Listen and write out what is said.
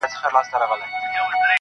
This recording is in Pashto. د زمان رحم ـ رحم نه دی؛ هیڅ مرحم نه دی.